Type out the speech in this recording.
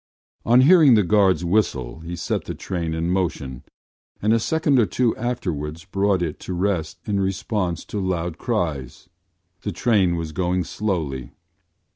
On hearing the guard’s whistle he set the train in motion and a second or two afterwards brought it to rest in response to loud cries. The train was going slowly.